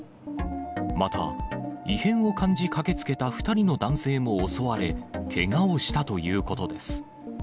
また、異変を感じ駆けつけた２人の男性も襲われ、けがをしたということです。